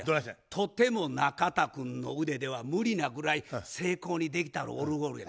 とても中田君の腕では無理なぐらい精巧にできたオルゴールや。